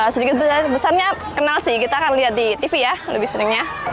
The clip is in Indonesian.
sedikit besarnya kenal sih kita akan lihat di tv ya lebih seringnya